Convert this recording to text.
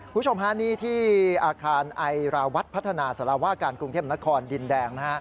คุณชมฮานี่ที่อาคารไอราวัดพัฒนาสลาวาการกรุงเทพนครดินแดง